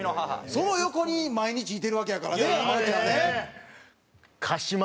その横に毎日いてるわけやからね山内はね。